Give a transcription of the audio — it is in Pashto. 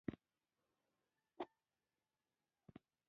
سختې شخړې د دې ډګر برخه دي.